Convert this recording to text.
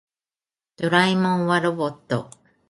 ドラえもんはロボット。